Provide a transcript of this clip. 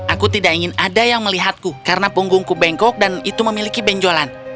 aku tidak ingin ada yang melihatku karena punggungku bengkok dan itu memiliki benjolan